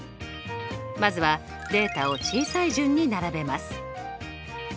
まずはデータを小さい順に並べます。